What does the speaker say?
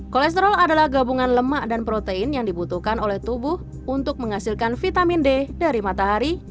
kolesterol adalah gabungan lemak dan protein yang dibutuhkan oleh tubuh untuk menghasilkan vitamin d dari matahari